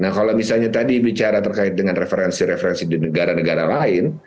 nah kalau misalnya tadi bicara terkait dengan referensi referensi di negara negara lain